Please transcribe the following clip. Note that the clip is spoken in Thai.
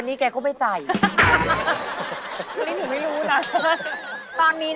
เฉพาะวันนั้น